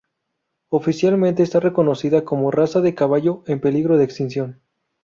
Oficialmente está reconocida como raza de caballo en peligro de extinción.